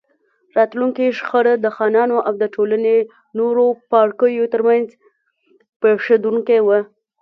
راتلونکې شخړه د خانانو او د ټولنې نورو پاړکیو ترمنځ پېښېدونکې وه.